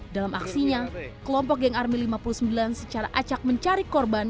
dalam aksinya kelompok geng army lima puluh sembilan secara acak mencari korban